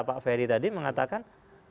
pak ferry tadi mengatakan